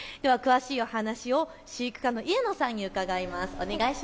では詳しいお話を飼育課の家野さんに伺います。